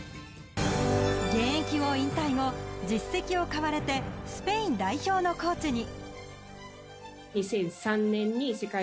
現役を引退後、実績を買われてスペイン代表のコーチに。